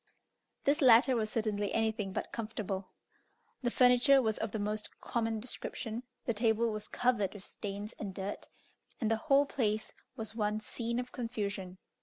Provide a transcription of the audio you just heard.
This latter was certainly anything but comfortable. The furniture was of the most common description, the table was covered with stains and dirt, and the whole place was one scene of confusion.